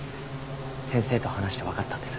先生と話してわかったんです。